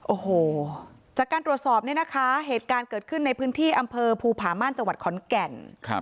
โอ้โหจากการตรวจสอบเนี่ยนะคะเหตุการณ์เกิดขึ้นในพื้นที่อำเภอภูผาม่านจังหวัดขอนแก่น